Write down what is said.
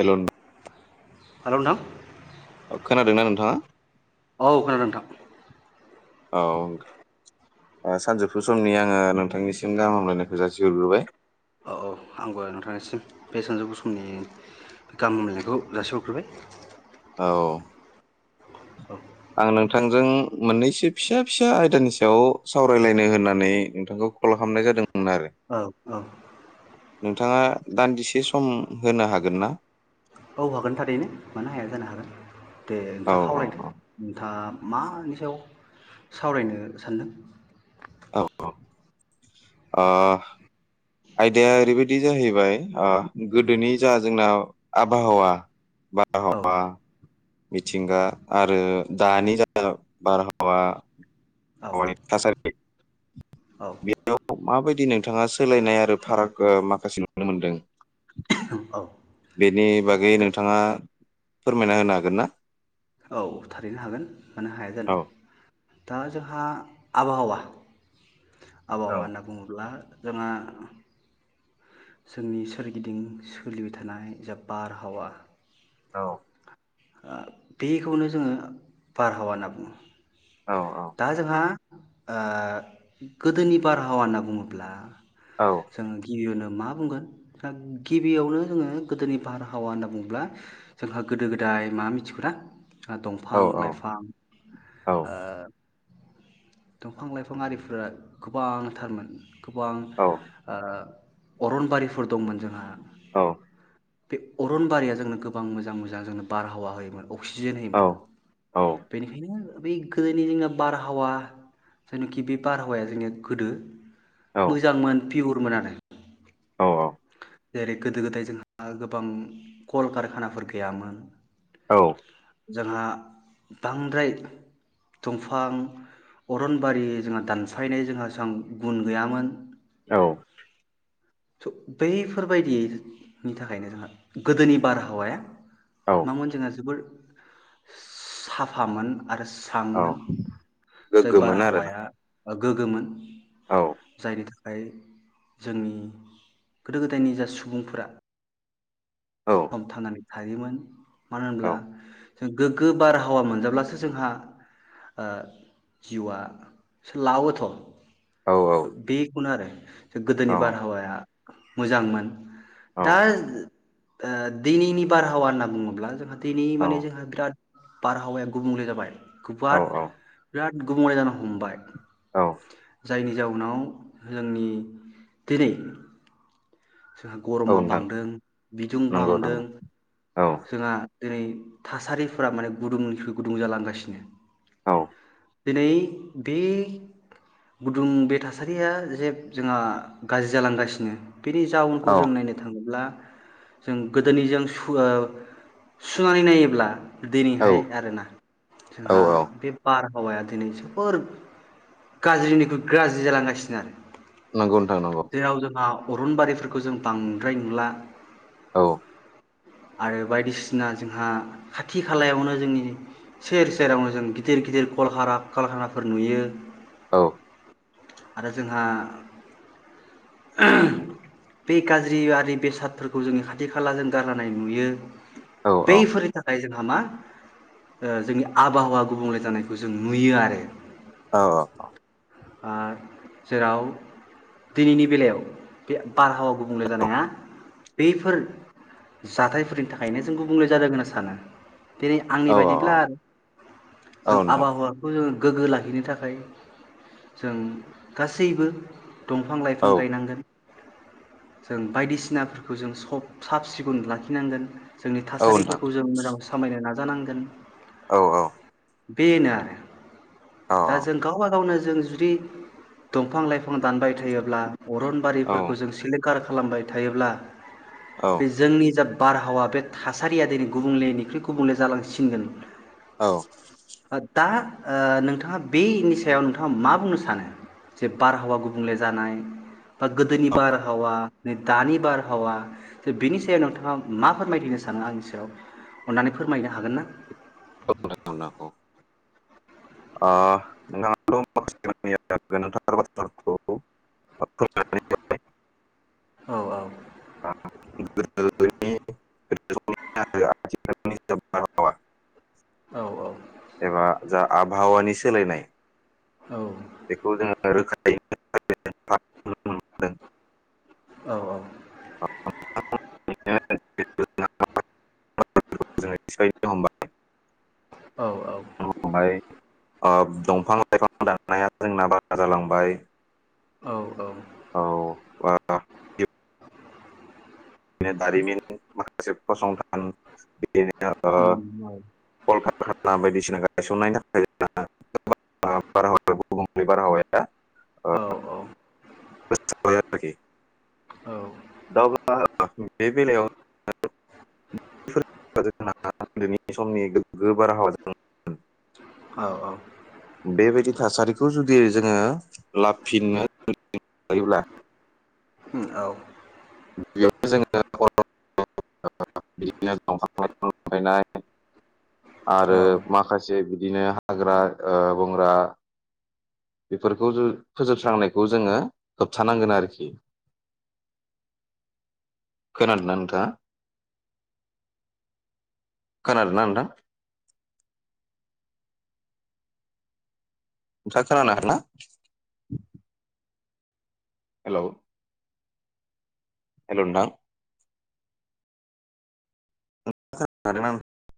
Hell नों- hello नोंथां खोनादोंना नोंथाङा? औ खोनादों नोंथां। औ ओ सानजौफु समनि आङो नोंथांनिसिम गाहाम हामलायनायखौ जासिहरग्रोबाय। औ औ आंबो नोंथांनिसिम बे सानजौफु समनि गाहाम हामग्लायनायखौ जासिहरग्रोबाय। औ औ आं नोंथांजों मोननैसो फिसा फिसा आयदानि सायाव सावरायलायनो होननानै नोंथांखौ कल खालामनाय जादों आरो औ औ नोंथाङा दान्दिसे सम होनो हागोन ना? औ हागोन थारैनो मानो हाया जानो हागोन। दे औ नोंथाङा खावलायदो औ नोंथाङा मानि सायाव सावरायनो सानदों? औ औ ओ आयदाया ओरैबायदि जाहैबाय ओ गोदोनि जा जोंना आबहावा औ बारहावा मिथिंगा आरो दानि जा बारहावा वा औ [unintelligible] हानि थासारि औ बेयाव माबायदि नोंथाङा सोलायनाय आरो फाराग ओ माखासे नुनो मोनदों? औ बेनि बागै दा नोंथाङा फोरमायना होनो हागोन ना? औ थारैनो हागोन, मानो हाया औ जानो? दा जोंहा आबहावा आबहावा औ होनना बुङोब्ला जोङो जोंनि सोरगिदिं सोलिबाय थानाय जा बारहावा औ बेखौनो जोङो बारहावा होनना बुङो औ दा जोंहा गोदोनि बारहावा होनना बुङोब्ला औ जोङो गियोनो मा मा बुंगोन दा गिबियावनो जोङो गोदोनि बारहावा होनना बुङोब्ला जोंहा गोदो गोदाय मा मिथिगौना? औ दंफां लाइफां औ दंफां लाइफां आरिफोरा गोबांथारमोन गोबां औ ओ अरनबारिफोर दंमोन जोंहा औ बे अरनबारिया जोंनो गोबां मोजां मोजां जोंनो बारहावा होयोमोन अक्सिजेन होयोमोन बेनिखायनो बै गोदोनि जोंना बारहावा जायनोखि बे बारहावाया जोंनि गोदो मोजांमोन पिउरमोन आरो औ औ जेरै गोदो गोदाय जोंहा गोबां कल कारखानाफोर गैयामोन औ जोंहा बांद्राय दंफां अरनबारि जोंहा दानफायनाय जोंहाबां गुन गैयामोन औ सुब बैफोरबायदिनि थाखायनो जोंहा गोदोनि बारहावाया औ मामोन जोंहा जोबोर साफामोन आरो औ सांमोन जाय गोग्गोमोन आरोना बारहावाया गोग्गोममोन औ जायनि था दांतो जोंनि गोदो गोदायनि जा सुबुंफोरा औ सम थांनानै हायोमोन मानो औ होनब्ला? जों गोग्गो बारहावा मोनजाब्लासो जोंहा ओ जिउआ लावोथ' औ बेखौनो आरो औ गोदोनि बारहावाया मोजांमोन दा ओ दिनैनि बारहावा होनना बुङोब्ला जोंहा दिनै माने जोंहा बिराद बारहावाया गुबुंले जाबाय [unintelligible] औ बिराद गुबुंले जानो हमबाय औ जायनि जाउनाव जोंनि दिनै जोंहा गरमा नोंथां बांदों बिदुं नंगौ बांदों नंगौ औ जोंहा दिनै थासारिफोरा माने गुदुंनिख्रुइ गुदुं जालांगासिनो औ दिनै बे गुदुं बे थासारिया जे जोंहा गाज्रि जालांगासिनो बिनि जाउनखौ औ जों नायनो थाङोब्ला जों गोदोनिजों सुनानै नायोब्ला औ दिनैहाय आरोना औ जोंहा औ बे बार आबहावाया दिनै जोबोर गाज्रिनिख्रुइ गाज्रि जालांगासिनो आरो नंगौ नोंथां नंगौ जेराव जोंहा अरनबारिफोरखौ जों बांद्राय नुला औ [inaudible] आरो बायदिसिना जोंहा खाथि खालायावनो जोंनि सेर सेरावनो जों गिदिर गिदिर कलहारा कलखानाफोर नुयो औ आरो जोंहा बे गाज्रि आरि बेसादफोरखौ जोंनि खाथि खाला जों गारलानाय नुयो औ औ बैफोरनि थाखाय जों जोंहा मा जोंनि ओ आबहावा गुबुंले जानायखौ जों नुयो आरो औ औ औ ओ जेराव दिनैनि बेलायाव बे बारहावा गुबुंले जानाया बैफोर जाथायफोरनि थाखायनो जों गुबुंले जादों होनना सानो दिनै औ आंनि औ बायदिब्ला औ जों नोंथां आबहावाखौ जों गोग्गो लाखिनो थाखाय जों गासैबो, दंफां औ लाइफां गायनांगोन जों बायदिसिनाफोरखौ जों सब साब सिब गुन लाखिनांगोन, जोंनि औ नोंथां थासारिफोरखौ जों मोजाङै सामलायनो नाजानां गोन औ औ बेना औ दा जों गावबा गावनो जों जुदि दंफां लाइफां दानबाय थायोब्ला, अरनबारिफोरखौ जों सिलिंखार, खालामबाय थायोब्ला, औ फिजा बारहावा बे थासारिया दिनै गुबुंलेनिख्रुइ गुबुंले जालांसिनगोन, आ दा ओ नोंथाङा बे नि सायाव नोंथाङा मा बुंनो सानो जे बारहावा गुबुंले जानाय बा गोदोनि बारहावा ने दानि बारहावा, बेनि सायाव नोंथाङा मा फोरमायथिनो सानो आंनि सायाव अन्नानै फोरमायनो हागोन ना? [unintelligible] ओ [unintelligible] औ औ [unintelligible] औ औ एबा जा आबहावानि सोलायनाय औ बेखौ जोङा रोखा, [unintelligible] औ औ [unintelligible] हमबाय औ हमबाय ओ दंफां लाइफां दाननाया जोंना बारा जालांबाय, औ औ औ बारा [unintelligible] दारिमिन माखासे फसंथान बिदिनो ओ उम औ कलकारखाना बायदिसिना गायसननायनि थाखायनो बारहावाया गुबुंले बारहावाया औ ओ औ [unintelligible] औ दा अब्ला बे बेलायावनो [unintelligible] उन्दैनि समनि गोबगोब बारहावा औ-औ। बेबायदि थासारिखौ जुदि जोङो लाफिननो हायोब्ला। औ। बेयावनो जोङो' बिदिनो दंफां लाइफां हाफायनाय। आरो औ माखासे बि। बिदिनो हाग्रा ओ बंग्रा। बेफोरखौ जो फोजोबस्रांनायखौ जोङो होबथानांगोन आरोखि खोनादोंना नोंथाङा खोनादोंना नोंथां। [unintelligible] हेलौ। हेलौ नोंथां। [unintelligible]